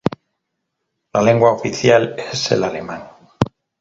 La lengua oficial es el alemán.